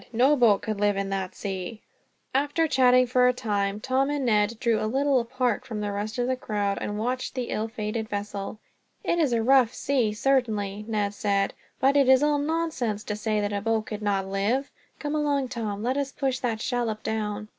"No boat could live in that sea." After chatting for a time, Tom and Ned drew a little apart from the rest of the crowd, and watched the ill fated vessel. "It is a rough sea, certainly," Ned said; "but it is all nonsense to say that a boat could not live. Come along, Tom. Let us push that shallop down.